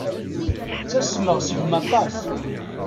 Ttasmeɣ seg-m aṭas.